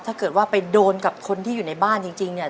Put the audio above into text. ถ้าเกิดว่าไปโดนกับคนที่อยู่ในบ้านจริงเนี่ย